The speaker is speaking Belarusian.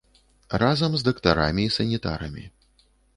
Разам з дактарамі і санітарамі.